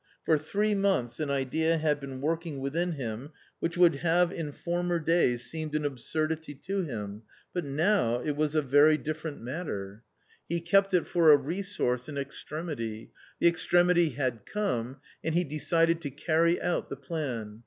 For three months an idea had been working within him which would have in former days seemed an absurdity to him, but now — it was a very different matter ! s \^ 274 ^ COMMON STORY He kept it for a resource in extremity ; the extremity had come, and he decided to carry out the plan.